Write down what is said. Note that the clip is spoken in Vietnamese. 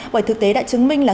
bởi thực tế đã chứng minh là